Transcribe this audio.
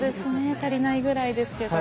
足りないぐらいですけど。